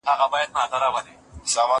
زه درسونه اورېدلي دي!.